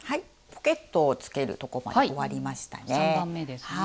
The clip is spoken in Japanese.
ポケットをつけるとこまで終わりましたね。